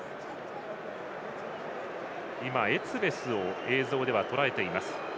エツベスを映像でとらえています。